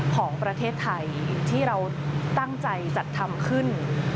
ของประเทศไทยที่เราตั้งใจจัดทำขึ้น